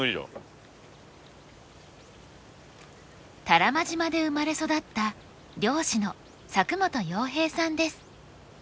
多良間島で生まれ育った漁師の佐久本洋平さんです。